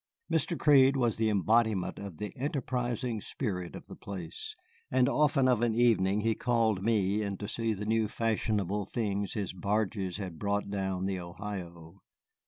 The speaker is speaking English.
Mr. Crede was the embodiment of the enterprising spirit of the place, and often of an evening he called me in to see the new fashionable things his barges had brought down the Ohio.